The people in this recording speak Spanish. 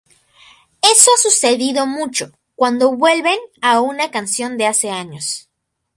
Eso ha sucedido mucho cuando vuelven a una canción de hace años".